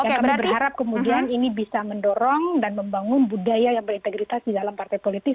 ya kami berharap kemudian ini bisa mendorong dan membangun budaya yang berintegritas di dalam partai politik